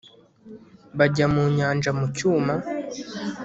Bajya mu nyanja mu cyuma